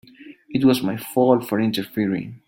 It was my fault for interfering.